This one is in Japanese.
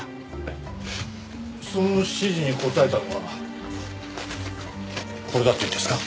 その指示に応えたのがこれだっていうんですか？